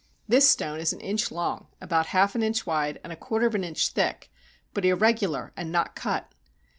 This stone is an inch long, about half an inch wide, and a quarter of an inch thick, but irregular and not cut.